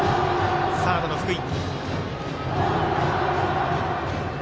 サードの福井。